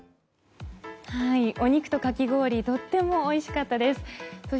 お肉とかき氷とてもおいしかったです。